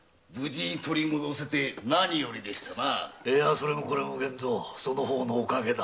それもこれも源三その方のお陰だ。